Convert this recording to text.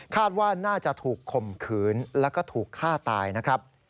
ว่าน่าจะถูกข่มขืนแล้วก็ถูกฆ่าตายนะครับ